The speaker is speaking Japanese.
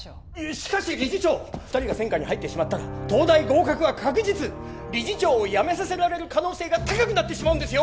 しかし理事長２人が専科に入ってしまったら東大合格は確実理事長を辞めさせられる可能性が高くなってしまうんですよ